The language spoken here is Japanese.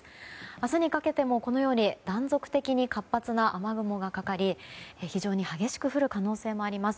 明日にかけても断続的に活発な雨雲がかかり非常に激しく降る可能性もあります。